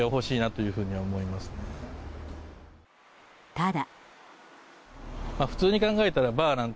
ただ。